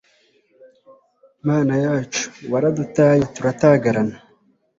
mana yacu, waradutaye, turatagarana